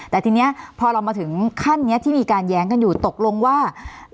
แต่ทีนี้พอเรามาถึงขั้นนี้ที่มีการแย้งกันอยู่ตกลงว่า